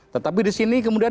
tetapi di sini kemudian